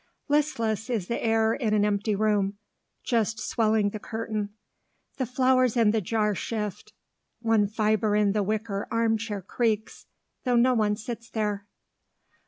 Listless is the air in an empty room, just swelling the curtain; the flowers in the jar shift. One fibre in the wicker arm chair creaks, though no one sits there.